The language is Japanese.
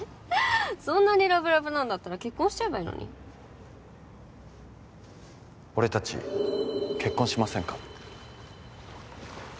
そんなにラブラブなんだったら結婚しちゃえばいいのに俺達結婚しませんか？